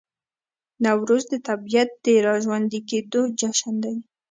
نوروز د طبیعت د راژوندي کیدو جشن دی.